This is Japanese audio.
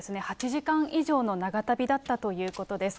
８時間以上の長旅だったということです。